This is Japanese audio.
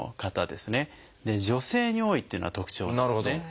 で女性に多いっていうのが特徴なんですね。